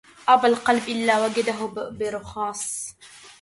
أبى القلب إلا وجده برخاص